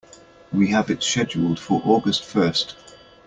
We have it scheduled for August first.